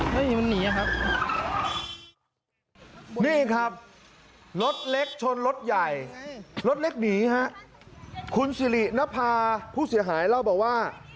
เฮ้ยนี่ครับรถเล็กชนรถใหญ่รถเล็กหนีฮะคุณสิรินพาผู้เสียหายเล่าบอกว่า